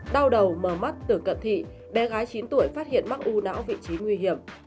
đau đầu mờ mắt từ cận thị bé gái chín tuổi phát hiện mắc u não vị trí nguy hiểm